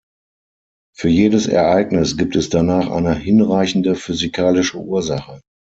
Für jedes Ereignis gibt es danach eine hinreichende physikalische Ursache.